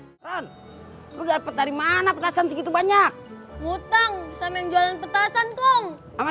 hai hai hai ron udah dari mana petasan segitu banyak utang sama yang jualan petasan kong ama